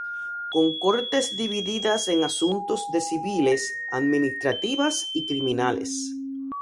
Con cortes divididas en asuntos de civiles, administrativas y criminales.